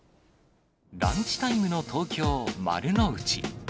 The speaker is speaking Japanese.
ランチタイムの東京・丸の内。